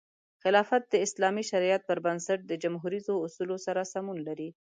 خلافت د اسلامي شریعت پر بنسټ د جموهریزو اصولو سره سمون لري.